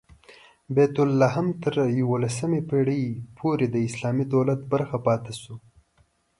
بیت لحم تر یوولسمې پېړۍ پورې د اسلامي دولت برخه پاتې شو.